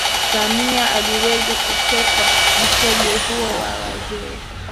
Samia aliweza kukwepa mtego huo wa wazee